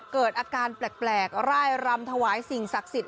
เกิดอาการแปลกร่ายรำถวายสิ่งศักดิ์สิทธิ